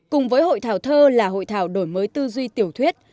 cùng với hội thảo thơ là hội thảo đổi mới tư duy tiểu thuyết